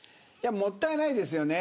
もったいないですよね。